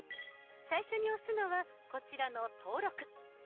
最初に押すのはこちらの「登録」。